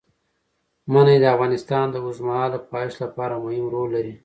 منی د افغانستان د اوږدمهاله پایښت لپاره مهم رول لري.